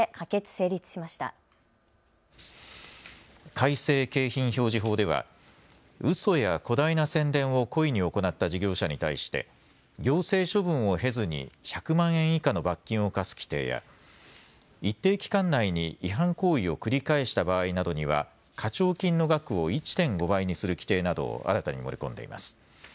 改正景品表示法ではうそや誇大な宣伝を故意に行った事業者に対して行政処分を経ずに１００万円以下の罰金を科す規定や一定期間内に違反行為を繰り返した場合などには課徴金の額を１．５倍にする規定などを新たに盛り込んでいます。